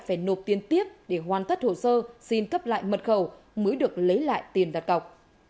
phải nộp tiền tiếp để hoàn tất hồ sơ xin cấp lại mật khẩu mới được lấy lại tiền đặt cọc